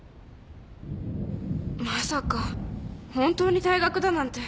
まさか本当に退学だなんて。